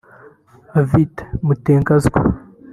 Avite Mutaganzwa